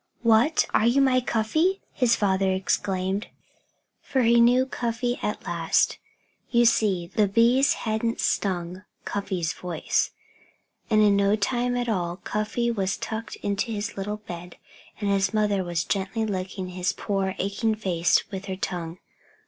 "What! Are you my Cuffy?" his father exclaimed. For he knew Cuffy at last. You see, the bees hadn't stung Cuffy's voice. And in no time at all Cuffy was tucked into his little bed and his mother was gently licking his poor, aching face with her tongue.